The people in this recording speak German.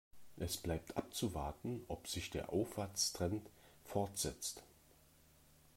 Es bleibt abzuwarten, ob sich der Aufwärtstrend fortsetzt.